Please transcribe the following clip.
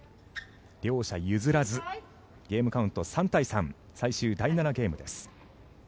両者譲らずゲームカウント３対３最終第７ゲームです。